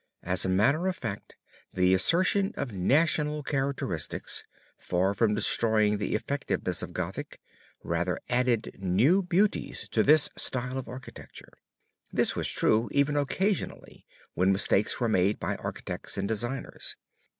As a matter of fact, the assertion of national characteristics, far from destroying the effectiveness of Gothic, rather added new beauties to this style of architecture. This was true even occasionally when mistakes were made by architects and designers.